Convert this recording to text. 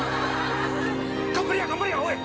頑張れや頑張れやおい！